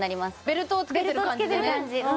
ベルトを着けてる感じ